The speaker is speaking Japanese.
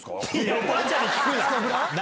おばあちゃんに聞くな。